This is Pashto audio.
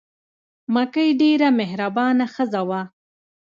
مکۍ ډېره مهربانه ښځه وه.